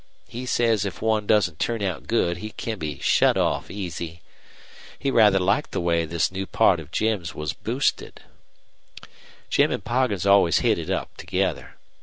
He says if one doesn't turn out good he can be shut off easy. He rather liked the way this new part of Jim's was boosted. Jim an' Poggin always hit it up together.